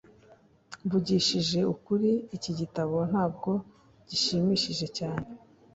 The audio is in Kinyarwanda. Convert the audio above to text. mvugishije ukuri, iki gitabo ntabwo gishimishije cyane